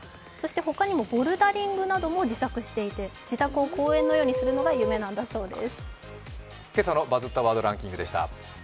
ほかにもボルダリングなども自作していて、自宅を公園のようにするのが夢だそうです。